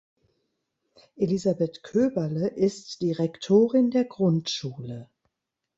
Elisabeth Köberle ist die Rektorin der Grundschule.